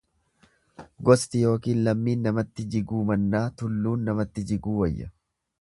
Gosti ykn lammiin namatti jiguu mannaa tulluun namatti jiguu wayya.